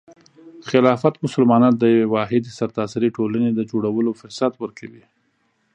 خلافت مسلمانانو ته د یوې واحدې سرتاسري ټولنې د جوړولو فرصت ورکوي.